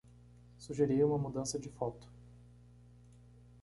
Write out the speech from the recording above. Sugerir uma mudança de foto